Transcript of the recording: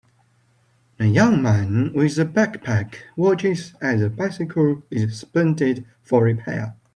A young man with a backpack watches as a bicycle is suspended for repair.